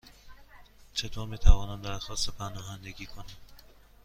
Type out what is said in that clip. چطور می توانم درخواست پناهندگی کنم؟